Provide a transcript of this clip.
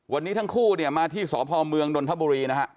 วันนี้ทั้งคู่มาที่สพเมืองดนทบุรีนะครับ